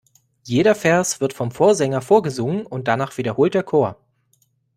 Jeder Vers wird vom Vorsänger vorgesungen und danach wiederholt der Chor.